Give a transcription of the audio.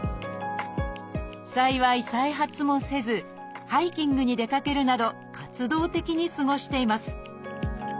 幸い再発もせずハイキングに出かけるなど活動的に過ごしています